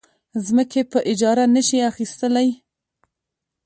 ځمکې په اجاره نه شي اخیستلی.